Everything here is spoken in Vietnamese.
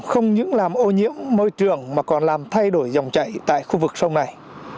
không những làm ô nhiễm môi trường mà còn làm thay đổi dòng chạy tại khu vực sông này